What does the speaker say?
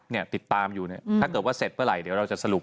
เนี่ยติดตามอยู่เนี่ยถ้าเกิดว่าเสร็จเมื่อไหร่เดี๋ยวเราจะสรุป